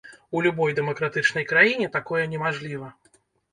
У любой дэмакратычнай краіне такое немажліва.